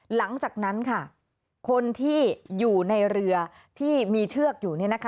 หลังจากนั้นค่ะคนที่อยู่ในเรือที่มีเชือกอยู่